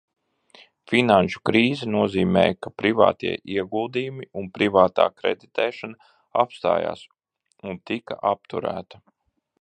Finanšu krīze nozīmēja, ka privātie ieguldījumi un privātā kreditēšana apstājās un tika apturēta.